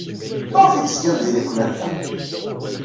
Maɣef ay tezgam diri-ken akka?